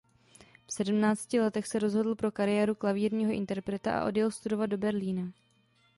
V sedmnácti letech se rozhodl pro kariéru klavírního interpreta a odjel studovat do Berlína.